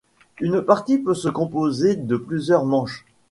Une partie peut se composer de plusieurs manches.